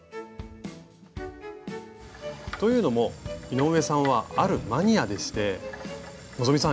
というのも井上さんはあるマニアでして希さん